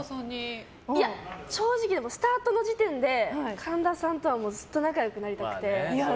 正直、スタートの時点で神田さんとはずっと仲良くなりたくて。